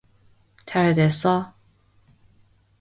잘됐어?